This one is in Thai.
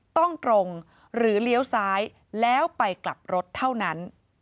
ตรงหรือเลี้ยวซ้ายแล้วไปกลับรถเท่านั้น